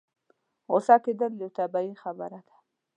غوسه کېدل يوه طبيعي خبره ده.